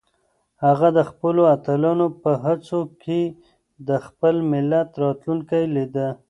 هغه د خپلو اتلانو په هڅو کې د خپل ملت راتلونکی لیده.